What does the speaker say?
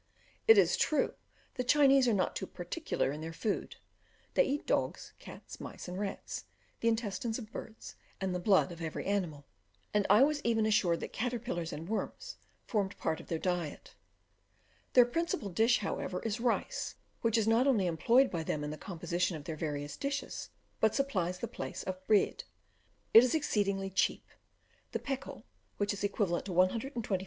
It is true, the Chinese are not too particular in their food; they eat dogs, cats, mice, and rats, the intestines of birds, and the blood of every animal, and I was even assured that caterpillars and worms formed part of their diet. Their principal dish, however, is rice, which is not only employed by them in the composition of their various dishes, but supplies the place of bread. It is exceedingly cheap; the pekul, which is equal to 124 lbs.